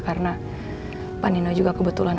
karena panino juga kebetulan